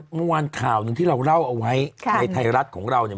เมื่อวานข่าวหนึ่งที่เราเล่าเอาไว้ในไทยรัฐของเราเนี่ย